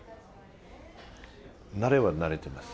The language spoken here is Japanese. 慣れは慣れてます。